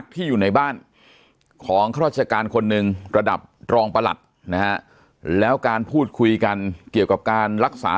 ตรองประหลักนะฮะแล้วการพูดคุยกันเกี่ยวกับการรักษา